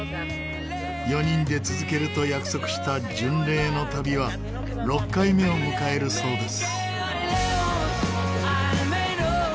４人で続けると約束した巡礼の旅は６回目を迎えるそうです。